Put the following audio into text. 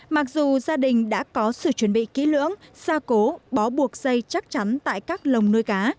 mặc dù gia đình đã có sự chuẩn bị kỹ lưỡng gia cố bó buộc dây chắc chắn tại các lồng nuôi cá